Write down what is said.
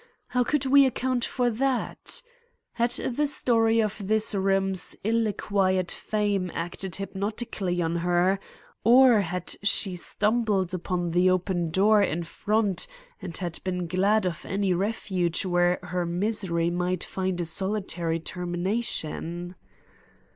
How could we account for that? Had the story of this room's ill acquired fame acted hypnotically on her, or had she stumbled upon the open door in front and been glad of any refuge where her misery might find a solitary termination?